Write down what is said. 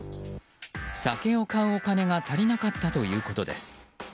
酒を買うお金が足りなかったということです。